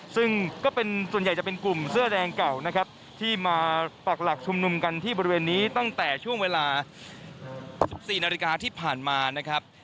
ซึ่งส่วนใหญ่จะเป็นกลุ่มเสื้อแดงเก่าที่มาปรักหลักชุมหนุ่มกันที่บริเวณนี้ตั้งแต่ช่วงเวลา๑๔นาฬิกาที่ผ่านมา